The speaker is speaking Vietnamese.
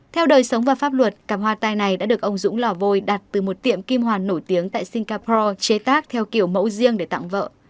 theo đời sống và pháp luật cặp hoa tai này đã được ông dũng lò vôi đặt từ một tiệm kim hoàn nổi tiếng tại singapore chế tác theo kiểu mẫu riêng để tặng vợ